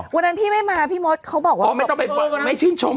วันนั้นพี่ไม่มาพี่ม็อตเขาบอกว่า